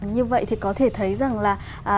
như vậy thì có thể thấy rằng là